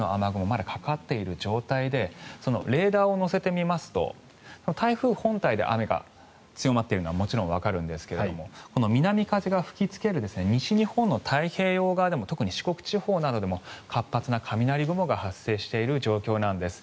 まだかかっている状態でレーダーを乗せてみますと台風本体で雨が強まっているのはもちろんわかるんですが南風が吹きつける西日本の太平洋側でも特に四国地方などでも活発な雷雲が発生している状況なんです。